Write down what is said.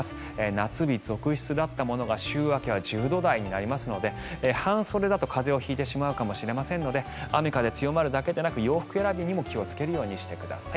夏日続出だったものが週明けは１０度台になりますので半袖だと風邪を引いてしまうかもしれませんので雨風強まるだけでなく洋服選びにも気をつけるようにしてください。